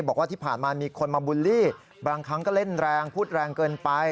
บอกว่าที่ผ่านมามีคนมาบูลลี่บางครั้งก็เล่นแรงพูดแรงเกินไป